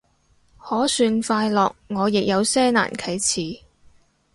可算快樂，我亦有些難啟齒